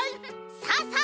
さあさあ